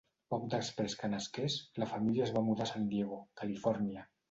Poc després que nasqués, la família es va mudar a San Diego, Califòrnia.